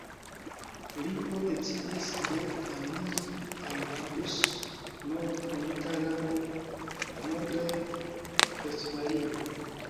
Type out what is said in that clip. Lipo decidis do aliĝi al la ĵus nove fondita lando Nordrejn-Vestfalio.